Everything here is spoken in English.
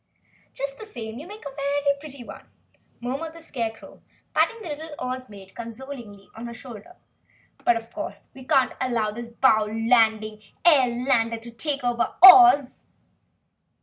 "Just the same you make a very pretty one," murmured the Scarecrow, patting the little Oz Maid consolingly on the shoulder. "But of course, we cannot allow this bounding airlander to take Oz!"